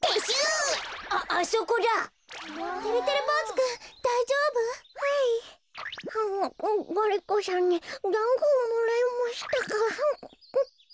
ガリ子さんにだんごをもらいましたから。